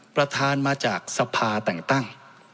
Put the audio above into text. ประธานมาจากสภาแต่งตั้ง